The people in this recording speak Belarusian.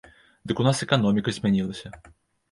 Дык у нас эканоміка змянілася.